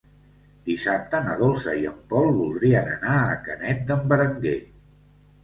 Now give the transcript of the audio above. Dissabte na Dolça i en Pol voldrien anar a Canet d'en Berenguer.